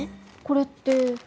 これって。